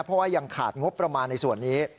เพราะว่ายังขาดงบประมาณในส่วนนี้